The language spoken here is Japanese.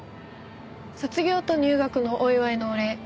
卒業と入学のお祝いのお礼。